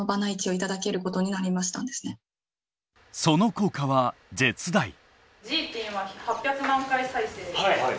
その効果は絶大！